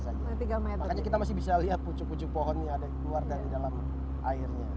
makanya kita masih bisa lihat pucuk pucuk pohon yang ada di luar dan di dalam airnya